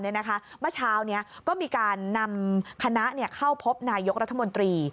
เมื่อเช้านี้ก็มีการนำคณะเข้าพบนายกรัฐมนตรี